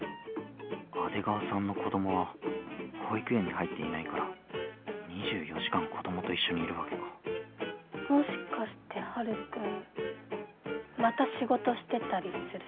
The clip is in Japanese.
阿出川さんの子供は保育園に入っていないから２４時間子供と一緒にいるわけかもしかしてはるくんまた仕事してたりする？